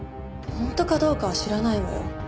本当かどうかは知らないわよ。